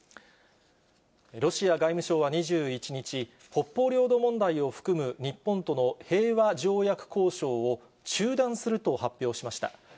ロシア外務省は２１日、北方領土問題を含む日本との平和条約交渉を中断すると発表しました。